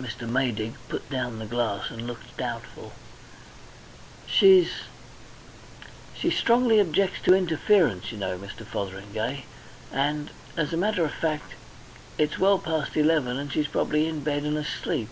Mr. Maydig put down the glass and looked doubtful. "She's She strongly objects to interference, you know, Mr. Fotheringay. And as a matter of fact it's well past eleven and she's probably in bed and asleep.